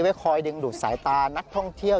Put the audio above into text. คอยดึงดูดสายตานักท่องเที่ยว